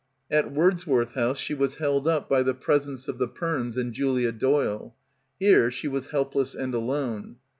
At Wordsworth House she was held up by the presence of the — 189 — PILGRIMAGE Femes and Julia Doyle. Here she was helpless and alone.